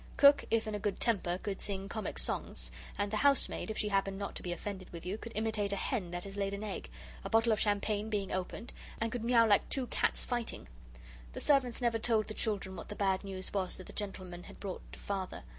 Cook, if in a good temper, could sing comic songs, and the housemaid, if she happened not to be offended with you, could imitate a hen that has laid an egg, a bottle of champagne being opened, and could mew like two cats fighting. The servants never told the children what the bad news was that the gentlemen had brought to Father.